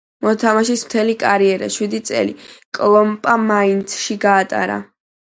მოთამაშის მთელი კარიერა, შვიდი წელი, კლოპმა „მაინცში“ გაატარა.